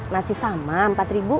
masih sama empat ribu